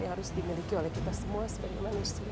yang harus dimiliki oleh kita semua sebagai manusia